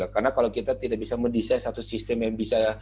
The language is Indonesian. karena kalau kita tidak bisa mendesain satu sistem yang bisa